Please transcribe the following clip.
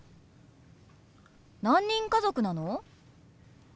何人家族なの？